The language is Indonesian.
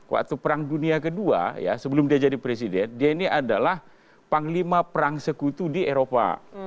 waktu perang dunia ii sebelum dia jadi presiden dia ini adalah panglima perang sekutu di eropa